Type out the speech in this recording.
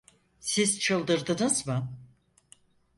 Siz çıldırdınız mı?